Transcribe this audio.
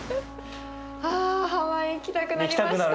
あハワイ行きたくなりました。